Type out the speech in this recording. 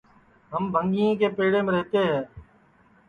ہم بھنٚگیں کے پیڑیم رہتے ہے